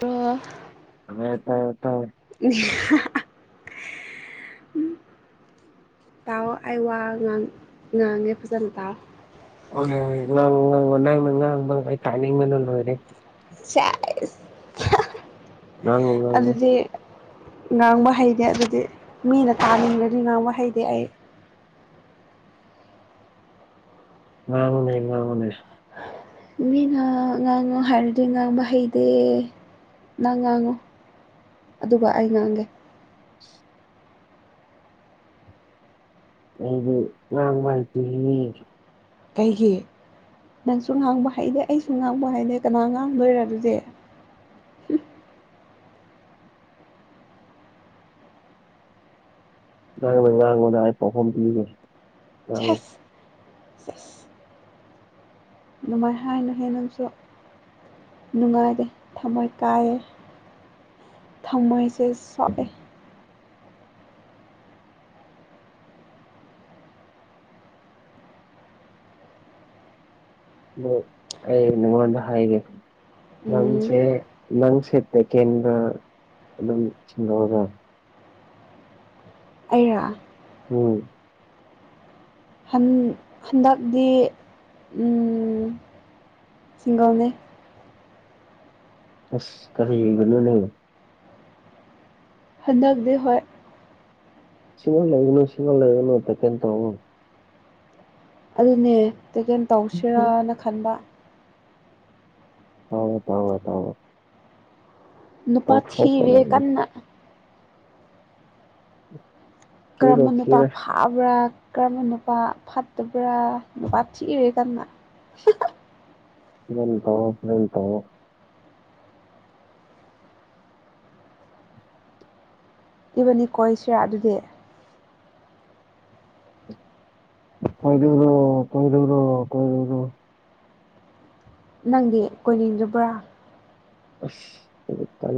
ꯑꯗꯨꯒꯣ [unintelligible] [inaudible] ꯑ ꯇ ꯇ [unintelligible] [inaudible] [unintelligible] [inaudible] ꯇꯥꯎꯑꯣ ꯑꯩ ꯋꯥ ꯉꯥꯡ ꯉꯥꯡꯉꯦ ꯐꯖꯅ ꯇꯥꯎꯑꯣ ꯟꯅ ꯇꯅꯤ ꯑꯣꯏꯔꯦ [unintelligible] [inaudible] ꯆ [unintelligible] [inaudible] ꯉꯉꯣ ꯉꯉꯣ ꯉꯥꯡꯕ ꯍꯩꯇꯦ ꯑꯗꯨꯗꯤ ꯃꯤꯅ ꯊꯥꯅꯤꯡꯕꯗꯤ ꯉꯥꯡꯕ ꯍꯩꯇꯦ ꯑꯩ ꯉꯃꯨꯅꯤ ꯉꯃꯨꯅꯤ ꯃꯤꯅ ꯉꯥꯡꯉꯨ ꯍꯥꯏꯔꯗꯤ ꯉꯥꯡꯕ ꯍꯩꯇꯦ ꯅꯪ ꯉꯥꯡꯉꯨ ꯑꯗꯨꯒ ꯑꯩ ꯉꯥꯡꯒꯦ ꯎ ꯉꯥꯡ ꯃꯥꯥꯏꯇ [unintelligible] [inaudible] ꯑꯩꯒꯤ ꯅꯪꯁꯨ ꯉꯥꯡꯕ ꯍꯩꯅꯦꯦ ꯑꯩꯁꯨ ꯉꯥꯡꯕ ꯍꯩꯅꯦꯦ ꯀꯅꯥ ꯉꯥꯡꯗꯣꯏꯔ ꯑꯗꯨꯗꯤꯦ ꯎꯝ ꯉꯥꯡ ꯉꯥꯡꯕꯗ ꯑꯩ ꯄꯔꯐꯣꯝ ꯄꯤꯈ꯭ꯔꯦ ꯆꯁ ꯅꯨꯡꯃꯥꯏ ꯍꯥꯏꯅ ꯍꯦꯟꯅ ꯑꯃꯁꯁꯨ ꯅꯨꯡꯉꯥꯏꯔꯦ ꯊꯃꯣꯏ ꯀꯥꯏꯔꯦ ꯊꯃꯣꯏꯁꯦ ꯁꯣꯛꯂꯦ ꯑꯣ ꯑꯩꯣꯗ ꯍꯥꯏꯒ ꯎꯝ ꯅꯪꯁꯦ ꯅꯪꯁꯦ ꯇꯦꯛꯀꯦꯟꯒ ꯑꯗꯨꯝ ꯆꯤꯡꯗꯣꯛꯑꯒ ꯑꯩꯔ ꯎꯝ ꯍꯟꯗꯛꯗꯤ ꯁꯤꯡꯒꯥꯎꯅꯦ ꯑꯁ ꯀꯔꯤ ꯃꯅꯣ ꯂꯩ ꯍꯟꯗꯛꯇꯤ ꯍꯣꯏ ꯁꯤꯃꯜ ꯂꯩꯒꯅꯣ ꯁꯤꯃꯜ ꯂꯩꯒꯅ ꯑ ꯀꯦꯟ ꯇꯣ ꯑꯗꯨꯅꯦ ꯇꯩꯀꯦꯟ ꯇꯧꯁꯤꯔꯅ ꯈꯟꯕ ꯍꯥꯎ ꯐꯥꯎ ꯐꯑꯣ ꯅꯨꯄꯥ ꯊꯤꯕ ꯀꯟꯅ ꯊꯤꯔꯣ ꯀꯔꯝꯕ ꯅꯨꯄꯥ ꯊꯤꯔꯣ ꯐꯥꯕ꯭ꯔꯥ ꯀ꯭ꯔꯃ ꯅꯨꯄꯥ ꯐꯠꯇꯕ꯭ꯔꯥ ꯅꯨꯄꯥ ꯊꯤꯏꯔꯦ ꯀꯅ ꯃꯤꯜ ꯇꯣ ꯃꯤꯜ ꯇꯣ ꯏꯕꯅꯤꯀꯣ ꯏꯁꯤꯔꯥ ꯑꯗꯨꯗꯤ ꯐꯩꯂꯨꯔ ꯐꯩꯔꯨꯔ ꯀꯣꯏꯂꯔ ꯅꯪꯗꯤ ꯀꯣꯏꯅꯤꯡꯗꯕ꯭ꯔꯥ ꯑꯗꯨ ꯇꯦ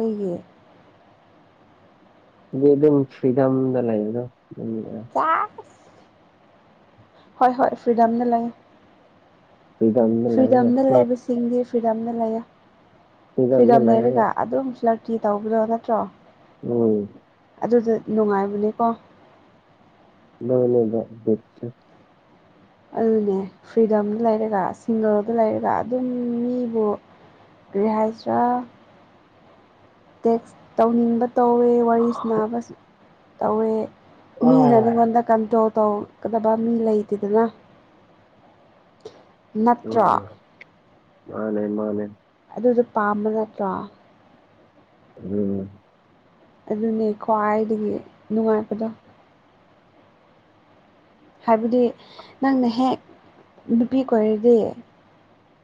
ꯑꯩꯦ ꯑꯗꯨꯗꯤ ꯑꯗꯨꯝ ꯐ꯭ꯔꯤꯗꯝꯗ ꯂꯩꯌꯦꯗꯣ ꯀ ꯍꯣꯏ ꯍꯣꯏ ꯐ꯭ꯔꯤꯗꯝꯝꯗ ꯂꯩꯥꯛꯦ ꯐ꯭ꯔꯤꯗꯝꯗ ꯂꯩꯔꯒ ꯐ꯭ꯔꯤꯗꯝꯅ ꯂꯩꯕꯁꯤꯡꯗꯤ ꯐ꯭ꯔꯤꯗꯝꯅ ꯂꯩ ꯐ꯭ꯔꯤꯗꯝ ꯂꯩꯔꯒ ꯑꯗꯨꯂ ꯀꯤ ꯇꯧꯕꯗꯣ ꯅꯠꯇ꯭ꯔꯣ ꯎꯝ ꯑꯗꯨꯗ ꯅꯨꯡꯉꯥꯏꯕꯅꯦꯀꯣ ꯅ ꯗꯦꯠꯁ ꯑꯗꯨꯅꯦ ꯐ꯭ꯔꯤꯗꯝꯗ ꯂꯩꯔꯒ ꯁꯤꯡꯒꯜꯗ ꯂꯩꯔꯒ ꯑꯗꯨꯝ ꯃꯤꯕꯨ ꯭ꯔꯤꯍꯖꯔ ꯇꯦꯛꯁ ꯇꯧꯅꯤꯡꯕ ꯇꯧꯋꯦ ꯋꯥꯔꯤ ꯁꯅꯕ ꯇꯧꯋꯦ ꯃꯤ ꯅꯪꯒꯣꯟꯗ ꯀꯟ ꯇꯧꯒꯗꯕ ꯃꯤ ꯂꯩꯇꯦꯗꯅ ꯎꯝ ꯅꯠꯇ꯭ꯔꯣ ꯃꯥꯅꯦ ꯃꯥꯅꯦ ꯑꯗꯨꯁꯨ ꯄꯥꯝꯕ ꯅꯠꯇ꯭ꯔꯣ ꯎꯝ ꯑꯗꯨꯅꯦ ꯈ꯭ꯋꯥꯏꯗꯒꯤ ꯅꯨꯡꯉꯥꯏꯕꯗꯣ ꯍꯥꯏꯕꯗꯤ ꯅꯪꯅ ꯍꯦꯛ ꯅꯨꯄꯤ ꯑꯣꯏꯔꯗꯤ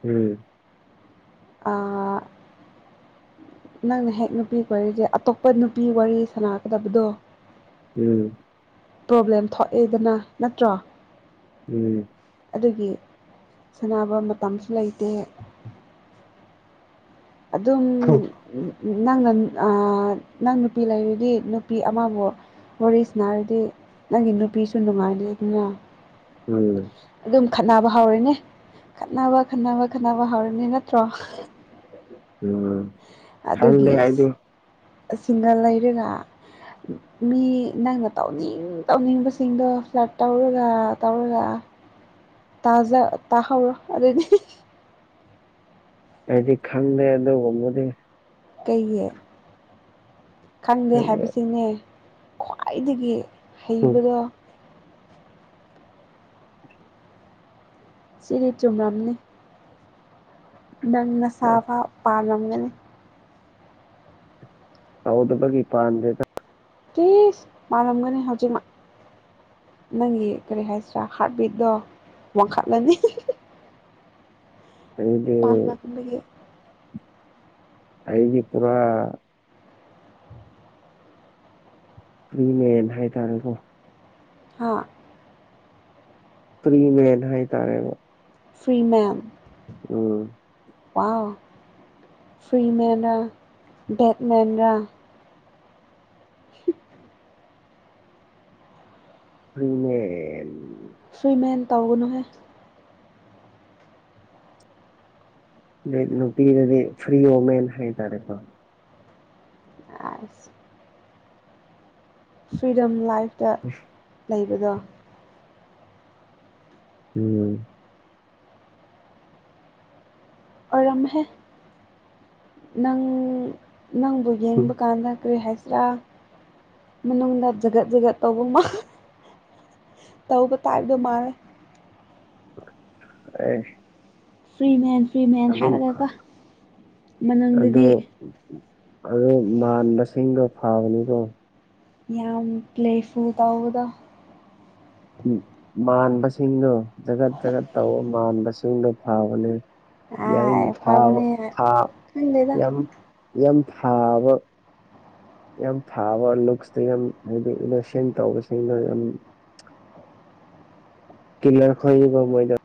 ꯎꯝ ꯑ ꯅꯪꯅ ꯍꯦꯛ ꯅꯨꯄꯤꯒ ꯋꯥꯔꯤꯁꯦ ꯑꯇꯣꯞꯄ ꯅꯨꯄꯤ ꯋꯥꯔꯤ ꯁꯥꯟꯅꯛꯒꯗꯕꯗꯣ ꯎꯝ ꯄ꯭ꯔꯣꯕ꯭ꯂꯦꯝ ꯊꯣꯛꯑꯦꯗꯅ ꯅꯠꯇ꯭ꯔꯣ ꯎꯝ ꯑꯗꯨꯒꯤ ꯁꯥꯟꯅꯕ ꯃꯇꯝꯁꯨ ꯂꯩꯇꯦ ꯑꯗꯨꯝ ꯅꯪꯅ ꯅꯪ ꯅꯨꯄꯤ ꯂꯩꯔꯤꯗꯤ ꯅꯨꯄꯤ ꯑꯃꯕꯨ ꯋꯥꯔꯤꯁꯤ ꯅꯥꯔꯗꯤ ꯅꯪꯒꯤ ꯅꯨꯄꯤꯁꯨ ꯅꯨꯡꯉꯥꯏꯗꯦ ꯑꯗꯨꯅ ꯎꯝ ꯈꯠꯅꯕ ꯍꯧꯥꯎꯔꯅꯦ ꯈꯠꯅꯕ ꯈꯠꯅꯕ ꯈꯠꯅꯕ ꯍꯥꯎꯔꯅꯦ ꯅꯠꯇ꯭ꯔꯣ ꯎꯝ ꯊꯦ ꯍꯥꯏꯗ ꯁꯤꯡꯒꯥꯜ ꯂꯩꯔꯥ ꯃꯤ ꯅꯪꯅ ꯇꯧꯅꯤꯡ ꯇꯧꯅꯤꯡꯕꯁꯤꯡꯗꯣ ꯐ꯭ꯂꯠ ꯇꯧꯔꯒ ꯇꯧꯔꯒ ꯇꯥꯖꯥ ꯇꯥꯥꯎꯔ ꯑꯗꯨꯗꯗꯤ ꯑꯩꯗꯤ ꯈꯪꯗꯦ ꯑꯗꯨꯒꯨꯝꯕꯗꯤ ꯀꯩꯒꯤ ꯈꯪꯗꯦ ꯍꯥꯏꯕꯁꯤꯅꯦ ꯈ꯭ꯋꯥꯏꯗꯒꯤ ꯍꯩꯕꯒ ꯁꯤꯔꯤ ꯆꯨꯝꯔꯝꯅꯤ ꯅꯪꯅ ꯁꯥꯕ ꯄꯥꯝꯂꯝꯒꯅꯤ ꯍꯥꯎꯗ ꯐꯒꯤ ꯏ ꯐꯗꯦꯗ ꯇꯁ ꯃꯥꯔꯝꯒꯅꯤꯅꯦ ꯍꯧꯖꯤꯛ ꯃꯥ ꯅꯪꯒꯤ ꯀꯔꯤ ꯍꯥꯏꯁꯤꯔꯥ ꯍꯥꯔꯠꯕꯤꯠꯇꯠꯇꯣ ꯋꯥꯡꯈꯠꯂꯅꯤ ꯑꯗꯨꯗꯤ ꯄꯥꯟꯃꯟꯕꯒꯤ ꯑꯩꯒꯤ ꯇꯔ ꯐꯔꯤꯅꯦꯟ ꯍꯥꯏꯇꯥꯔꯦꯀꯣ ꯍꯥ ꯐ꯭ꯔꯤ ꯃꯦꯟ ꯍꯥꯏ ꯇꯥꯔꯦꯕ ꯐ꯭ꯔꯤ ꯃꯦꯝ ꯋꯥ ꯐ꯭ꯔꯤꯃꯦꯟ ꯔ ꯕꯦꯠꯃꯦꯟ ꯔ ꯁꯤ ꯑꯗꯨꯅꯦ ꯐ꯭ꯔꯤꯃꯦꯟ ꯇꯧꯒꯅꯨꯍꯦ ꯅꯨꯄꯤꯗꯤ ꯐ꯭ꯔꯤ ꯑꯣꯃꯦꯟ ꯍꯥꯏ ꯇꯥꯔꯦ ꯐ ꯑꯁ ꯐ꯭ꯔꯤꯗꯝ ꯂꯥꯏꯐꯇ ꯂꯩꯕꯗꯣ ꯎꯝ ꯑꯣꯏꯔꯝꯍꯦ ꯅꯪ ꯅꯪꯕꯨ ꯌꯦꯡꯕ ꯀꯥꯟꯗ ꯀꯔꯤ ꯍꯥꯏ ꯆꯔ ꯃꯅꯨꯡꯗ ꯖꯒꯠ ꯖꯒꯠ ꯇꯧꯕ ꯇꯧꯕ ꯇꯥꯏꯕꯗꯣ ꯃꯥꯜꯂꯦ ꯑꯩ ꯐ꯭ꯔꯤ ꯃꯦꯟ ꯐ꯭ꯔꯤ ꯃꯦꯟ ꯍꯥꯏꯔꯒꯒ ꯃꯅꯪꯗꯗꯤ ꯑꯣ ꯃꯁꯤꯡꯒ ꯐꯥꯕꯅꯤꯀꯣ ꯌꯥꯝ ꯄ꯭ꯂꯦꯐꯨ ꯇꯥꯎꯕꯗ ꯃꯥꯟꯕꯁꯤꯡꯗꯣ ꯖꯒꯠ ꯖꯒꯠ ꯇꯧꯕ ꯃꯥꯟꯕꯁꯤꯡꯗꯣ ꯐꯕꯅꯦ ꯌ ꯑꯥꯏ ꯊ ꯐꯕꯅꯦ ꯊꯥ ꯈꯪꯗꯦꯗ ꯌ ꯌ ꯍꯥꯥꯎꯕ ꯌꯥꯝ ꯐꯥꯕ ꯂꯨꯛꯁꯇ ꯌꯥꯝ ꯍꯥꯏꯗꯤ ꯑꯩꯅ ꯁꯦꯟ ꯇꯧꯕꯁꯤ ꯑꯩꯅ ꯌꯥꯝ ꯀꯂꯔ ꯈꯕ ꯃꯣꯏꯗ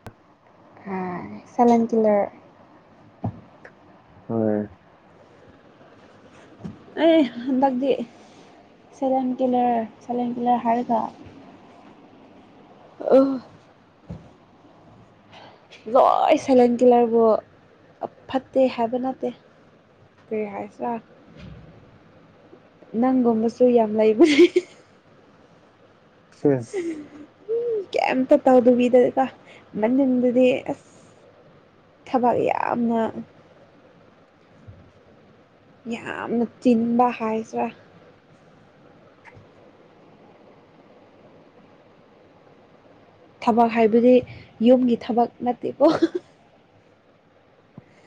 ꯁꯂꯦꯟ ꯀꯂꯔ ꯍꯣꯏ ꯑꯦ ꯍꯗꯥꯛꯗꯤ ꯁꯦꯂꯦꯟ ꯀꯤꯂꯔ ꯁꯦꯂꯦꯟ ꯀꯤꯂꯔ ꯍꯥꯏꯔꯒ ꯑ ꯂꯣꯏ ꯁꯥꯏꯂꯦꯟ ꯀꯤꯂꯔꯕꯨ ꯐꯠꯇꯦ ꯍꯥꯏꯕ ꯅꯠꯇꯦ ꯦ ꯍꯥꯏꯥꯏꯁ ꯅꯪꯒꯨꯝꯕꯁꯨ ꯌꯥꯝ ꯂꯩꯕ ꯁꯦꯁ ꯎꯝ ꯀꯩꯝꯇ ꯇꯧꯗꯕꯤꯗꯀ ꯃꯅꯤꯟꯗꯨꯗꯤ ꯑꯁ ꯊꯕꯛ ꯌꯥꯝꯅ ꯌꯥꯝꯅ ꯇꯤꯟꯕ ꯍꯥꯏꯁꯤꯔꯦ ꯊꯕꯛ ꯍꯥꯏꯕꯗꯤ ꯌꯨꯝꯒꯤ ꯊꯕꯛ ꯅꯠꯇꯦꯀꯣ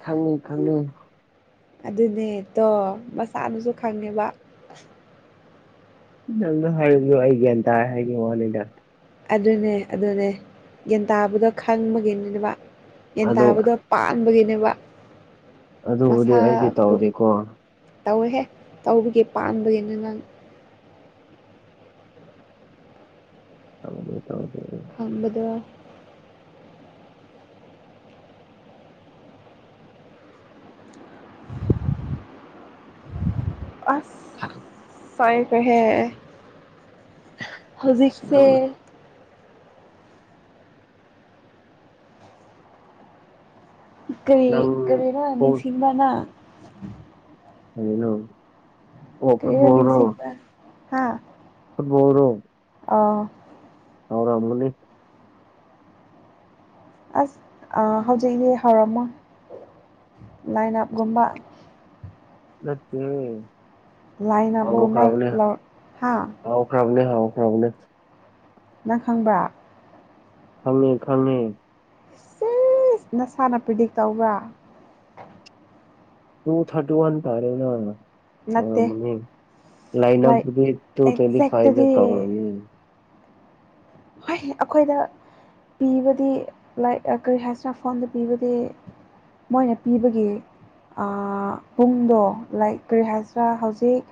ꯈꯪꯉꯤ ꯈꯪꯉꯦ ꯑꯗꯨꯅꯦꯗꯣ ꯃꯁꯥꯅꯁꯨ ꯈꯪꯉꯦꯕ ꯅꯪꯅ ꯍꯥꯏꯕꯤꯌꯣ ꯑꯩꯒ꯭ꯌꯥꯟ ꯇ ꯍꯥꯏꯒꯦ ꯋꯥꯅꯤꯗ ꯑꯗꯨꯅꯦ ꯑꯗꯨꯅꯦ ꯒ꯭ꯌꯥꯟꯇꯥꯕꯗꯣ ꯈꯪꯕꯒꯤꯅꯤꯅꯕ ꯑꯗꯣ ꯌꯦꯟꯇꯥꯥꯕꯗꯣ ꯄꯥꯟꯕꯒꯤꯅꯦꯕ ꯑꯗꯨꯕꯨꯗꯤ ꯑꯩꯗꯤ ꯃꯁꯥꯕꯨ ꯇꯧꯗꯦꯀꯣ ꯇꯧꯋꯦꯍꯦ ꯇꯧꯕꯒꯤ ꯄꯥꯟꯕꯒꯤꯅ ꯅꯪ ꯍꯗ ꯍꯗ ꯍꯝꯕꯗ [inaudible] ꯑꯁ ꯊꯗꯨꯝ ꯐꯥꯏꯈ꯭ꯔꯍꯦ ꯍꯧꯖꯤꯛꯁꯦ ꯅꯪ ꯏ ꯀ ꯏ ꯅꯪ ꯀꯗꯅ ꯅ ꯄꯨꯡ ꯁꯤꯃꯅ ꯍꯅ ꯑꯣ ꯐꯨꯠꯕꯣꯜꯔꯣ ꯍꯥꯥ ꯐꯕꯣꯣꯔꯣ ꯑꯥ ꯍꯧꯔꯝꯅꯤ ꯑꯁ ꯑ ꯍꯧꯖꯤꯛꯅꯦ ꯍꯧꯥꯎꯔꯃ ꯂꯥꯏꯟꯞꯒꯨꯝꯕ ꯂꯠꯇ ꯂꯥꯏꯟ ꯑꯥꯎ ꯑꯞꯒꯨꯝꯕ ꯈꯔꯕꯅꯦ ꯂꯧ ꯍꯥ ꯑꯥꯎ ꯈꯔꯕꯅꯦ ꯍ ꯐ꯭ꯔꯣꯕꯂꯦꯝ ꯅꯪ ꯈꯪꯕ꯭ꯔꯥ ꯈꯉꯦ ꯈꯉꯦ ꯁꯤ ꯅꯁꯥꯅ ꯄ꯭ꯔꯤꯗꯤꯛ ꯇꯧꯕ꯭ꯔꯥ ꯇꯨ ꯊꯥꯔꯇꯤ ꯋꯥꯟ ꯇꯥꯔꯦꯅ ꯅꯠꯇꯦ ꯅꯤ ꯂꯥꯏꯟ ꯂꯥꯏꯛ ꯑꯞꯒꯤ ꯇꯨ ꯇꯦꯟꯂꯤ ꯐꯥꯏꯗ ꯑꯦꯛꯖꯦꯛꯇꯗꯤ ꯇꯔ ꯍꯣꯏ ꯑꯩꯈꯣꯏꯗ ꯄꯤꯕꯗꯤ ꯂꯥꯏꯛ ꯀꯔꯤ ꯍꯥꯏꯁꯤꯅ ꯐꯣꯟꯗ ꯄꯤꯕꯗꯤ ꯃꯣꯏꯅ ꯄꯤꯕꯒꯤ ꯄꯨꯡꯗꯣ ꯂꯥꯏꯛ ꯀꯔꯤ ꯍꯥꯏꯁꯤꯔꯥ ꯍꯧꯖꯤꯛ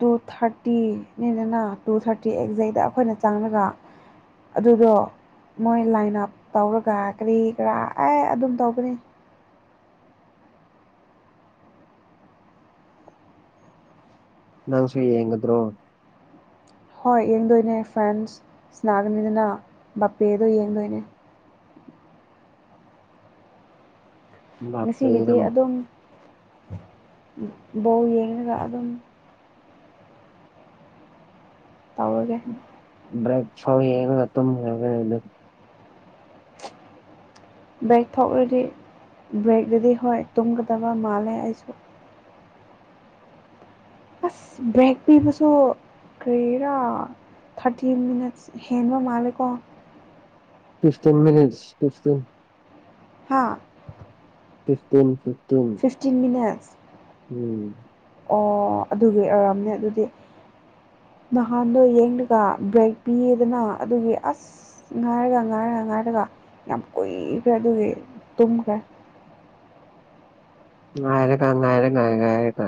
ꯇꯨ ꯊꯥꯔꯇꯤꯅꯤꯗꯅ ꯇꯨ ꯊꯥꯔꯇꯤ ꯑꯦꯛꯖꯦꯗ ꯑꯩꯈꯣꯏꯅ ꯆꯪꯉꯒ ꯑꯗꯨꯗꯣ ꯃꯣꯏ ꯂꯥꯏꯟ ꯑꯞ ꯇꯧꯔꯒ ꯀꯔꯤ ꯀꯔꯥ ꯑꯦ ꯑꯗꯨꯝ ꯇꯧꯒꯅꯤ ꯅꯪꯁꯨ ꯌꯦꯡꯒꯗ꯭ꯔꯣ ꯍꯣꯏ ꯌꯦꯡꯗꯣꯏꯅꯦ ꯐ꯭ꯔꯦꯟꯁ ꯁꯅꯥꯒꯅꯤꯗꯅ ꯕꯄꯦꯗꯣ ꯌꯦꯡꯗꯣꯏꯅꯦ ꯉꯁꯤꯒꯤꯗꯤ ꯕꯥꯞꯄꯦꯅ ꯑꯗꯨꯝ ꯕꯣ ꯌꯦꯡꯉꯒ ꯑꯗꯨꯝ ꯇꯧꯒꯦ ꯕ꯭ꯔꯦꯛ ꯐꯥꯎ ꯌꯦꯒꯒ ꯇꯝꯒ ꯕ꯭ꯔꯦꯛ ꯊꯣꯛꯂꯗꯤ ꯕ꯭ꯔꯦꯛꯇꯨꯗꯤ ꯍꯣꯏ ꯇꯨꯝꯒꯗꯕ ꯃꯥꯜꯂꯦ ꯑꯩꯁꯨ ꯑꯁ ꯕ꯭ꯔꯦꯛ ꯄꯤꯕꯁꯨ ꯀꯩꯔꯥ ꯊꯥꯔꯇꯤ ꯃꯤꯅꯠꯁ ꯍꯦꯟꯕ ꯃꯥꯜꯂꯦꯀꯣ ꯐꯤꯐꯇꯤꯟ ꯃꯤꯅꯤꯖ ꯐꯤꯐꯇꯤꯟ ꯍꯥꯥ ꯇꯁ ꯇꯣꯁ ꯐꯤꯐꯇꯤꯟ ꯃꯤꯅꯠꯁ ꯎꯝ ꯑꯣ ꯑꯗꯨꯒꯤ ꯑꯣꯏꯔꯝꯅꯦ ꯑꯗꯨꯗꯤ ꯅꯍꯥꯟꯗꯣ ꯌꯦꯡꯂꯒ ꯕ꯭ꯔꯦꯛ ꯄꯤꯌꯦꯗꯅ ꯑꯗꯨꯒꯤ ꯑꯁ ꯉꯥꯏꯔꯒ ꯉꯥꯏꯔꯒ ꯉꯥꯏꯔꯒ ꯌꯥꯝ ꯀꯣꯏ ꯀꯗꯒ ꯇꯒ ꯉꯥꯏ ꯀ ꯉꯥꯏꯔ ꯀ ꯉꯥꯏ ꯀ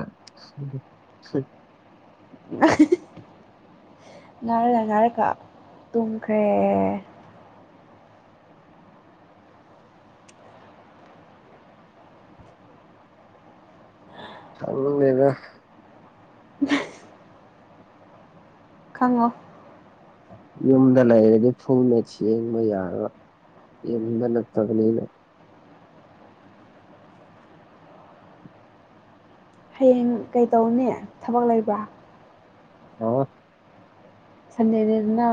[inaudible] ꯉꯥꯏꯔꯗ ꯉꯥꯏꯔ ꯀ ꯇꯨꯝꯈ꯭ꯔꯦ ꯆ ꯂꯩꯕ [inaudible] ꯈꯪꯉꯣ ꯌꯨꯝꯗ ꯂꯩꯔꯗꯤ ꯐꯨꯅ ꯆꯦꯡꯕ ꯌꯥꯔꯣꯏ ꯌꯦ ꯅ ꯇꯗꯅꯤꯅ ꯍꯌꯦꯡ ꯀꯩꯇꯧꯅꯦ ꯊꯕꯛ ꯂꯩꯕ꯭ꯔꯥ ꯑ ꯁꯟꯗꯩ ꯂꯩꯅ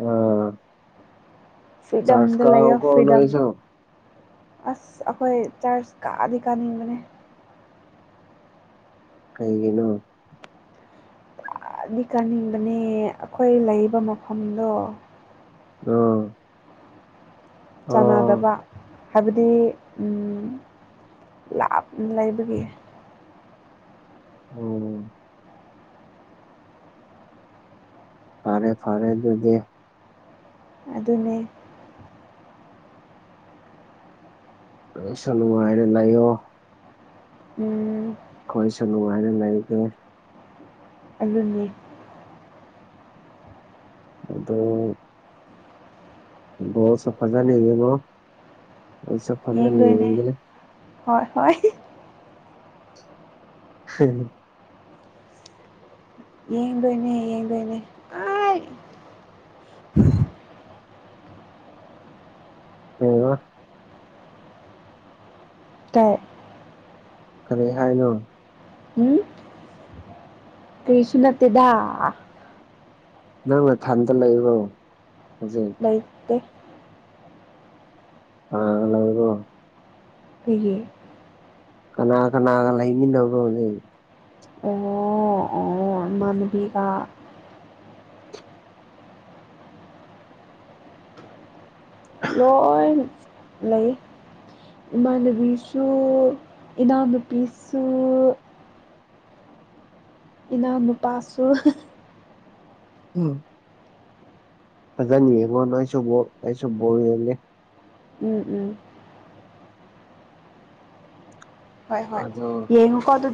ꯑꯝ ꯐꯔꯤꯗꯝ ꯗ ꯂꯩ ꯑꯣꯐ ꯐꯔꯤꯗꯝꯝ ꯅꯣꯏꯁꯨ ꯑꯁ ꯑꯩꯈꯣꯏ ꯆꯔꯆ ꯀꯥꯗꯤ ꯀꯥꯅꯤꯡꯕꯅꯤ ꯀꯩꯒꯤꯅꯣ ꯗꯤ ꯀꯥꯅꯤꯡꯕꯅꯦ ꯑꯩꯈꯣꯏ ꯂꯩꯔꯤꯕ ꯃꯐꯝꯗꯣ ꯑ ꯆꯥꯟꯅꯗꯕ ꯍꯥꯏꯕꯗꯤ ꯂꯥꯞ ꯂꯩꯕꯒꯤ ꯑꯣ ꯐꯥꯔꯦ ꯐꯔꯦ ꯑꯗꯨ ꯗꯦ ꯑꯗꯨ ꯑꯗꯨꯅꯅꯦ ꯄꯁꯂꯅꯨꯡꯉꯥꯏꯅ ꯂꯩꯣ ꯎꯝ ꯑꯩꯣꯏ ꯁꯅꯨ ꯍꯥꯏꯅ ꯂꯩꯒꯦ ꯑꯗꯨꯅꯦ ꯑꯗꯣ ꯒꯣꯜ ꯐꯖꯅ ꯌꯦꯡꯉꯣ ꯑꯩ ꯐꯖꯅ ꯌꯦꯡꯗꯣꯏꯅꯦ ꯌꯦꯡꯒꯦ ꯍꯣꯏ ꯍꯣꯏ ꯍ ꯌꯦꯡꯗꯣꯏꯅꯦ ꯌꯦꯡꯗꯣꯏꯅꯦ ꯑ ꯑ ꯀꯩ ꯀꯔꯤ ꯍꯥꯏꯅꯣ ꯎꯝ ꯀꯔꯤꯁꯨ ꯅꯠꯇꯦꯗ ꯅꯪꯅ ꯊꯥꯟꯗ ꯂꯩꯕꯣꯔ ꯂꯩꯇꯦ ꯑꯕꯣ ꯀꯩꯒꯤ ꯀꯅꯥ ꯀꯅꯥꯒ ꯂꯩꯃꯤꯟꯅꯕꯣꯅꯦ ꯑꯣ ꯑꯣ ꯏꯃꯥꯟꯅꯕꯤꯒ ꯂꯣꯏ ꯂꯩ ꯏꯃꯥꯅꯕꯤꯁꯨ ꯏꯅꯥꯎꯄꯤꯁꯨ ꯏꯅꯥꯎꯅꯨꯄꯥꯁꯨ ꯎꯝ ꯐꯖꯅ ꯌꯦꯡꯉꯣ ꯅꯣꯏꯁꯨ ꯑꯩꯁꯨ ꯒꯣꯜ ꯌꯦꯡꯒꯦ ꯎꯝ ꯎꯝ ꯍꯣꯏ ꯍꯣꯏ ꯑꯗꯣ ꯌꯦꯉꯣꯡꯀꯣ ꯑꯗꯨꯗꯤ